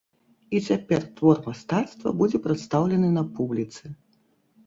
І цяпер твор мастацтва будзе прадстаўлены на публіцы.